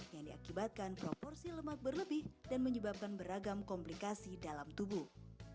yang diakibatkan proporsi lemak berlebih dan menyebabkan beragam komplikasi dalam tubuh